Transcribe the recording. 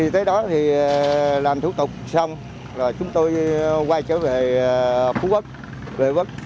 tới đó thì làm thủ tục xong rồi chúng tôi quay trở về phố quốc